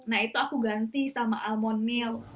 nah itu aku ganti sama almond mill